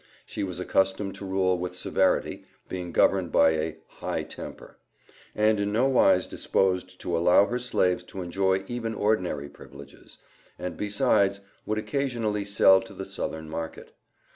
She was accustomed to rule with severity, being governed by a "high temper," and in nowise disposed to allow her slaves to enjoy even ordinary privileges, and besides, would occasionally sell to the Southern market.